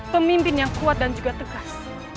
pemimpin yang kuat dan juga tegas